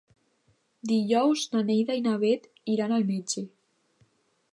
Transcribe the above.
Dijous na Neida i na Bet iran al metge.